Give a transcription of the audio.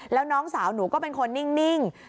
แล้วน้องสาวหนูก็เป็นคนนิ่ง